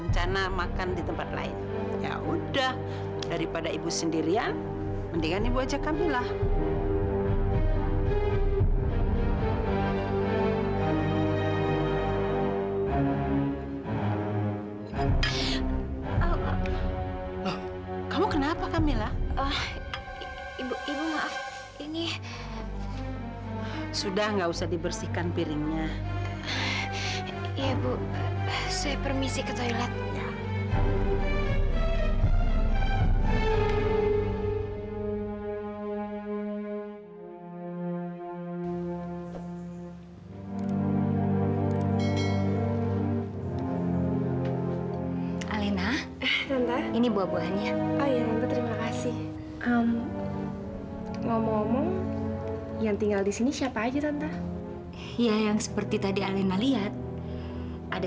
sampai jumpa di video selanjutnya